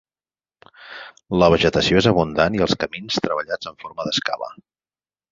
La vegetació és abundant i els camins treballats en forma d'escala.